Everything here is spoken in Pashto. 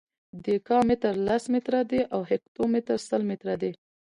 دیکا متر لس متره دی او هکتو متر سل متره دی.